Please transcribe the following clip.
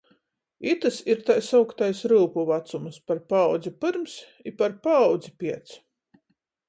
Itys ir tai sauktais ryupu vacums - par paaudzi pyrms i par paaudzi piec.